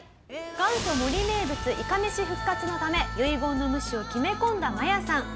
元祖森名物いかめし復活のため遺言の無視を決め込んだマヤさん。